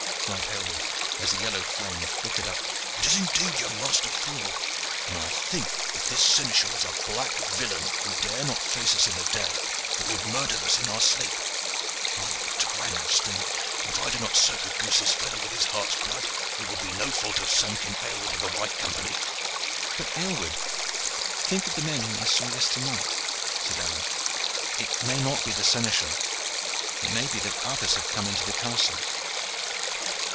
cried Aylward, as the yellow flame flickered up, "it is indeed young master Ford, and I think that this seneschal is a black villain, who dare not face us in the day but would murther us in our sleep. By the twang of string! if I do not soak a goose's feather with his heart's blood, it will be no fault of Samkin Aylward of the White Company." "But, Aylward, think of the men whom I saw yesternight," said Alleyne. "It may not be the seneschal. It may be that others have come into the castle.